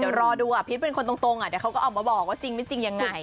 เดี๋ยวรอดูพีชเป็นคนตรงเดี๋ยวเขาก็ออกมาบอกว่าจริงไม่จริงยังไง